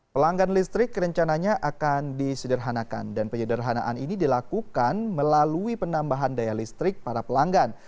pelanggan listrik rencananya akan disederhanakan dan penyederhanaan ini dilakukan melalui penambahan daya listrik para pelanggan